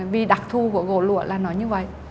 vì đặc thù của gỗ lũa là nó như vậy